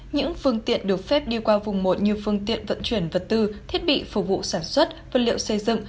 những phương tiện được phép đi qua vùng một như phương tiện vận chuyển vật tư thiết bị phục vụ sản xuất vật liệu xây dựng